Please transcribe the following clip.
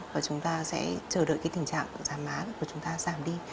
và chúng ta sẽ chờ đợi tình trạng da má của chúng ta giảm đi